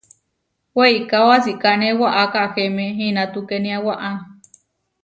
Weikáo asikáne waʼá Kahéme inatukénia waʼá.